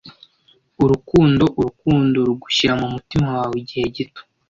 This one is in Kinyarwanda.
urukundo urukundo rugushyira mumutima wawe igihe gito